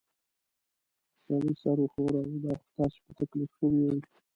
سړي سر وښوراوه: دا خو تاسې په تکلیف شوي ییۍ.